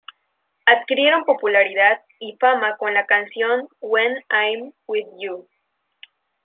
Adquirieron popularidad y fama con la canción "When I'm with You".